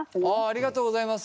ありがとうございます。